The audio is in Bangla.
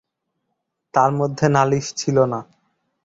তার মধ্যে নালিশ ছিল না।